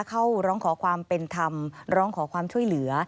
เข้าร้องขอความเป็นธรรมร้องขอความช่วยเหลือ